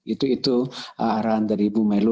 itu itu arahan dari ibu menlu